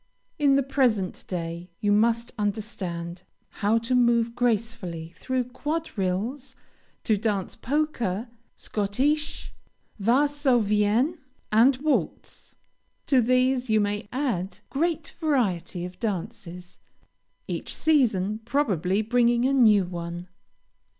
In the present day, you must understand how to move gracefully through quadrilles, to dance polka, Schottische, Varsovienne, and waltz. To these you may add great variety of dances, each season, probably, bringing a new one.